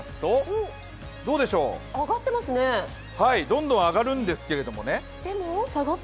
どんどん上がるんですけれどもね。